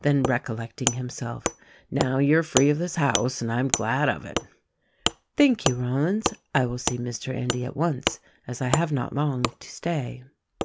Then recollecting himself, "Now you are free of this house, and I am glad of it." "Thank you, Rollins, I will see Mr. Endy at once, as I have not long to stay."